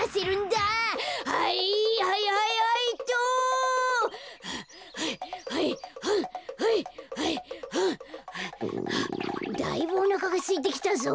だいぶおなかがすいてきたぞ。